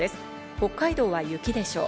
北海道は雪でしょう。